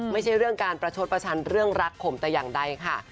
ไม่ใช่เรื่องการประชดประชันเรื่องรักผมแต่อย่างใดค่ะ